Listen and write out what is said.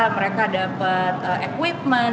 mereka dapat equipment